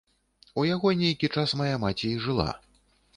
У яго нейкі час мая маці і жыла.